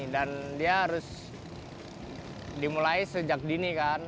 dan dia harus dimulai sejak dini kan